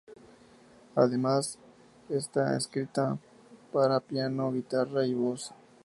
Además, está escrita para piano, guitarra y voz.